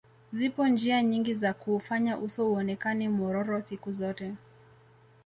Zipo njia nyingi za kuufanya uso uonekane mwororo siku zote